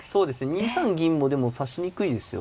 ２三銀もでも指しにくいですよ。